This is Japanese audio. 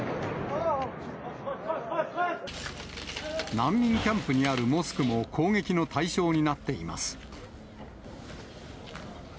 難民キャンプにあるモスクも攻撃の対象になっています。